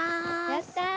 やった！